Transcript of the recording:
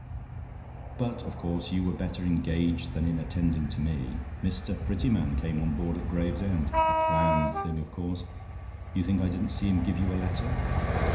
"But, of course, you were better engaged than in attending to me. Mr. Prettyman came on board at Gravesend. A planned thing, of course. You think I didn't see him give you a letter.